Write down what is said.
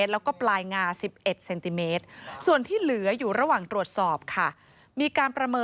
และก็ปลายงา๑๑ซม